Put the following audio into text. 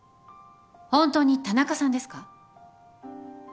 本当に田中さんですか？